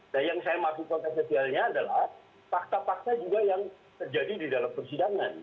dan yang saya maksud konteks sosialnya adalah fakta fakta juga yang terjadi di dalam persidangan